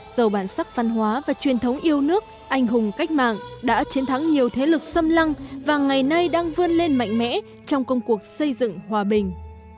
dầu bản sắc văn hóa và truyền thống yêu nước anh hùng cách mạng đã chiến thắng nhiều thế lực xâm lăng và ngày nay đang vươn lên mạnh mẽ trong công cuộc xây dựng hòa bình